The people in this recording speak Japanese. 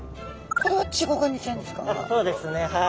そうですねはい。